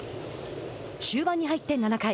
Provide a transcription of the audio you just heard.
終盤に入って７回。